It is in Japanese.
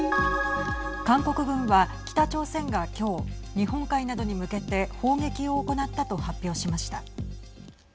韓国軍は、北朝鮮が今日日本海などに向けて砲撃を行ったと発表しました。